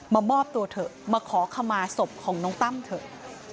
มามอบตัวเถอะมาขอขมาศพของน้องตั้มเถอะ